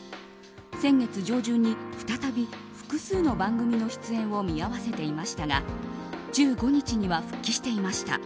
先月上旬に、再び複数の番組の出演を見合わせていましたが１５日には復帰していました。